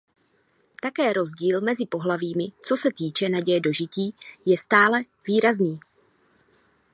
Také rozdíl mezi pohlavími co se týče naděje dožití je stále výrazný.